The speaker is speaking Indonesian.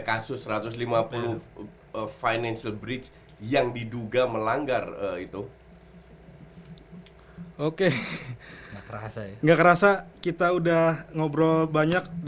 kasus satu ratus lima puluh financial bridge yang diduga melanggar itu oke kerasa nggak kerasa kita udah ngobrol banyak